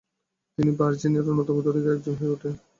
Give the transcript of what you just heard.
তিনি ভার্জিনিয়ার অন্যতম ধনীদের একজন হয়ে ওঠেন।